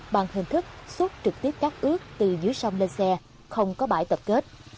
bằng hình thức xuất trực tiếp cát ướt từ dưới sông lên xe không có bãi tập kết